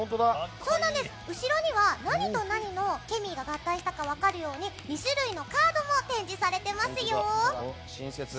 後ろには何と何のケミーが合体したか分かるように２種類のカードも展示されていますよ。